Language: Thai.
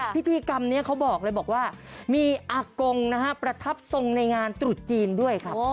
พิธีกรรมนี้เขาบอกเลยบอกว่ามีอากงนะฮะประทับทรงในงานตรุษจีนด้วยครับ